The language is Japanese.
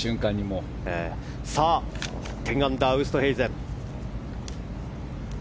さあ、１０アンダーウーストヘイゼン。